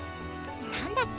なんだっけ。